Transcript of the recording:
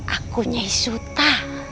aku nyai suta